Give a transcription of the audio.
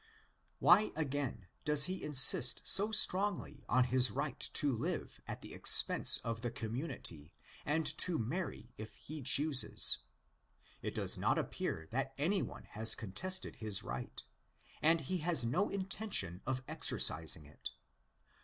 Why, again, does he insist so strongly on his right to live at the expense of the community and to marry if he chooses? It does not appear that any one has contested his right; and he has no intention of exercising it.